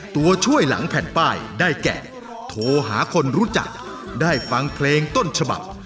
ตัวช่วยหลังแผ่นป้ายได้แก่โทรหาคนรู้จักได้ฟังเพลงต้นฉบับ